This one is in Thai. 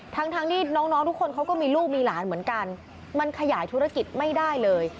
ทั้งทั้งที่น้องทุกคนเขาก็มีลูกมีหลานเหมือนกันมันขยายธุรกิจไม่ได้เลย